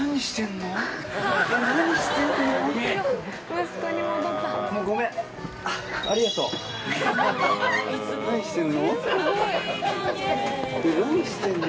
ねぇ何してんの？